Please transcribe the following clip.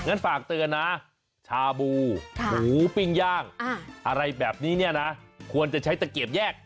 ฝากเตือนนะชาบูหมูปิ้งย่างอะไรแบบนี้เนี่ยนะควรจะใช้ตะเกียบแยก